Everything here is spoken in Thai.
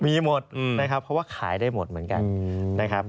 เพราะว่าขายได้หมดเหมือนกัน